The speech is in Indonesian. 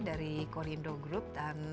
dari korindo group dan